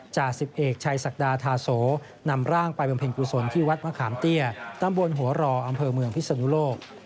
จ่าสิบเอกชัยศักดาธาโสนำร่างไปบำเพ็ญกุศลที่วัดมะขามเตี้ยตำบลหัวรออำเภอเมืองพิศนุโลก